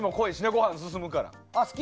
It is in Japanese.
ご飯も進むから。